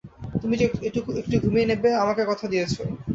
তুমি যে একটু ঘুমিয়ে নেবে আমাকে কথা দিয়েছ।